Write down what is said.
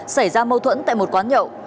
xảy ra mâu thuẫn tại một quán nhậu